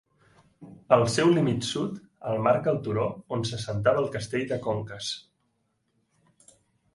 El seu límit sud el marca el turó on s'assentava el castell de Conques.